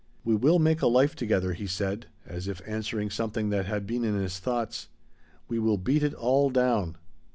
"We will make a life together," he said, as if answering something that had been in his thoughts. "We will beat it all down."